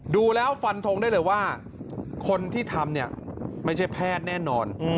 ดูแล้วฟันทงได้เลยว่าคนที่ทำเนี่ยไม่ใช่แพทย์แน่นอน